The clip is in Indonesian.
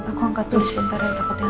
aku angkat tulis bentar